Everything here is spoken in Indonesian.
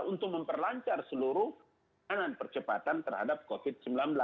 untuk memperlancar seluruh penanganan percepatan terhadap covid sembilan belas